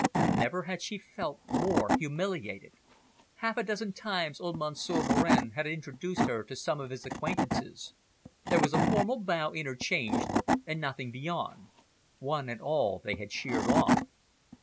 Never had she felt more humiliated. Half a dozen times kind old Monsieur Varenne had introduced her to some of his acquaintances. There was a formal bow interchanged, and nothing beyond; one and all they had sheered off.